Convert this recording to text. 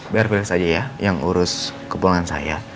biar felis aja ya yang urus ke pulangan saya